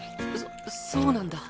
そそうなんだ。